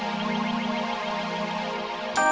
saya bakal ngurang selama tiga jam cuma henti heni nauan